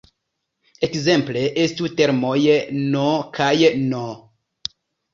Ekzemple estu termoj "n" kaj "n".